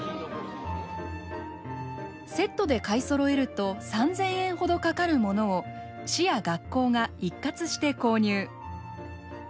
セットで買いそろえると３，０００円ほどかかるものを市や学校が一括して購入。